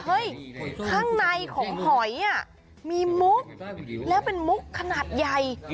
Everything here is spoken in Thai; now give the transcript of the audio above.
ข้างในของหอยมีมุกแล้วเป็นมุกขนาดใหญ่